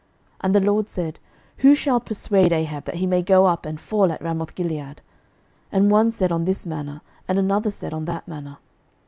11:022:020 And the LORD said, Who shall persuade Ahab, that he may go up and fall at Ramothgilead? And one said on this manner, and another said on that manner.